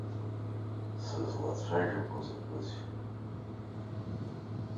Сызлацәажәақәо закәызеи!